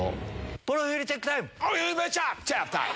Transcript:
プロフィールチェックタイム。